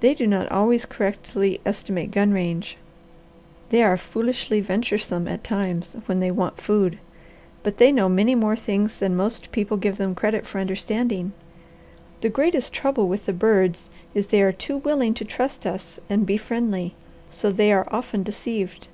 They do not always correctly estimate gun range, they are foolishly venturesome at times when they want food, but they know many more things than most people give them credit for understanding. The greatest trouble with the birds is they are too willing to trust us and be friendly, so they are often deceived."